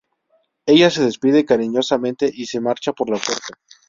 Ella se despide cariñosamente y se marcha por la puerta.